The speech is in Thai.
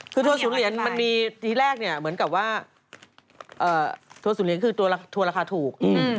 คือทัวร์ศูนเหรียญมันมีทีแรกเนี่ยเหมือนกับว่าทัวร์ศูนยคือทัวร์ราคาถูก